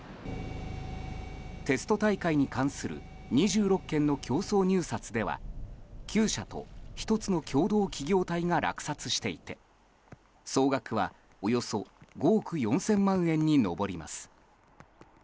テスト大会に関する２６件の競争入札では９社と１つの共同企業体が落札していて総額はおよそ５億４０００万円に上ります。